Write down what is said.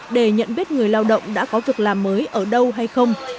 để nhận biết người lao động đã có việc làm mới ở đâu hay không